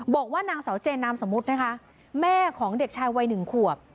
บอกว่านางสาวเจนนามสมมุตินะคะแม่ของเด็กชายวัยหนึ่งขวบ